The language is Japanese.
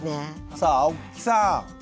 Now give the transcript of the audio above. さあ青木さん。